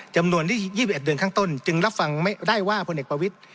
จำนวนที่๒๑เดือนข้างต้นจึงรับฟังไม่ได้ว่าพลเอกประวิทธิ